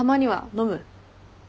飲む。